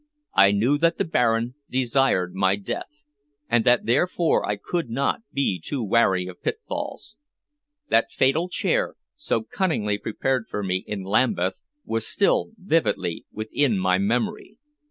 I knew that the Baron desired my death, and that therefore I could not be too wary of pitfalls. That fatal chair so cunningly prepared for me in Lambeth was still vividly within my memory.